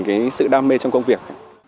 cái sự đam mê trong công việc